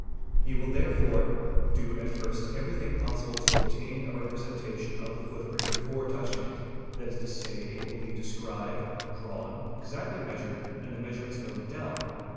He will therefore do at first everything || possible to obtain a representation of the footprint before touching it; that is to say, it will be described, drawn, exactly measured, and the 4 measurements noted down.